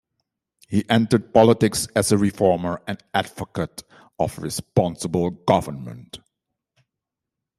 He entered politics as a reformer and advocate of responsible government.